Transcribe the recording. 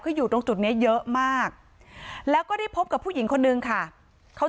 คืออยู่ตรงจุดนี้เยอะมากแล้วก็ได้พบกับผู้หญิงคนนึงค่ะเขา